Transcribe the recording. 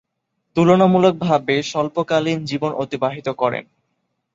তুলনামূলকভাবে স্বল্পকালীন জীবন অতিবাহিত করেন।